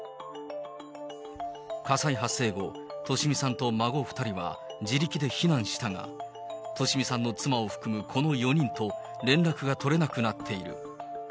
火災発生後、利美さんと孫２人は自力で避難したが、利美さんの妻を含むこの４人と連絡が取れなくなっている。